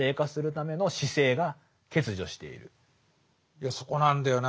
いやそこなんだよな。